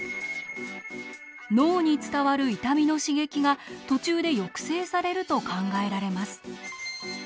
脳に伝わる痛みの刺激が途中で抑制されると考えられます。